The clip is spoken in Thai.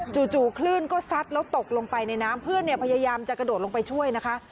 คลื่นก็ซัดแล้วตกลงไปในน้ำเพื่อนเนี่ยพยายามจะกระโดดลงไปช่วยนะคะ